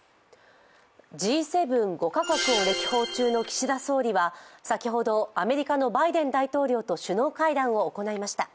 Ｇ７、５か国を歴訪中の岸田総理は先ほどアメリカのバイデン大統領と首脳会談を行いました。